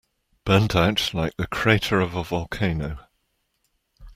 Burnt out like the crater of a volcano.